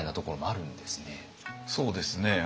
そうですね。